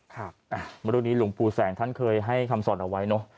ครับมาตรงนี้หลวงปู่แสงท่านเคยให้คำสอนเอาไว้